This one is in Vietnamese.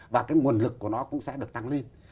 và cái nguồn lực của nó cũng sẽ được tăng lên